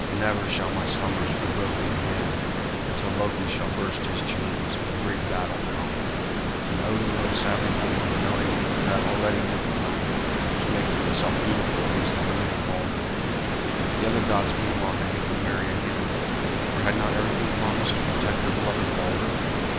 "Never shall my slumbers be broken again until Loki shall burst his chains and the great battle come." And Odin rode sadly homeward knowing that already Niflheim was making itself beautiful against the coming of Balder. The other gods meanwhile had become merry again; for had not everything promised to protect their beloved Balder?